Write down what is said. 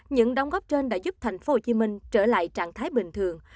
những đóng góp trên đã giúp thành phố hồ chí minh trở lại trạng thái bình thường